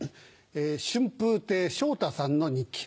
春風亭昇太さんの日記。